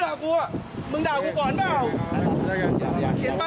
นี่รถส่วนตัวผม